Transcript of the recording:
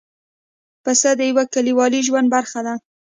پسه د یوه کلیوالي ژوند برخه ده.